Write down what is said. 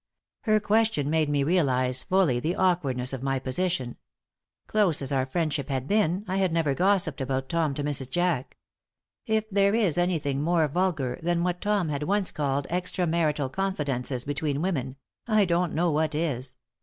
Her question made me realize fully the awkwardness of my position. Close as our friendship had been, I had never gossipped about Tom to Mrs. Jack. If there is anything more vulgar than what Tom had once called "extra marital confidences between women," I don't know what it is.